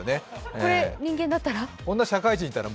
これ、人間だったら？